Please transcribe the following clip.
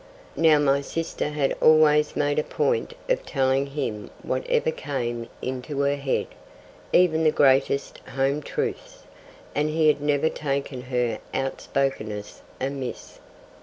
Now my sister had always made a point of telling him whatever came into her head, even the greatest home truths, and he had never taken her outspokenness amiss.